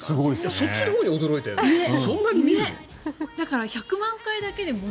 そっちのほうに驚いているの？